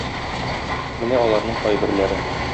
Менә аларның кайберләре.